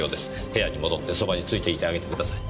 部屋に戻ってそばについていてあげてください。